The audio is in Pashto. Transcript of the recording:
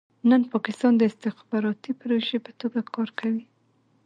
نن پاکستان د استخباراتي پروژې په توګه کار کوي.